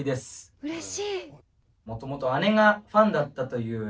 うれしい。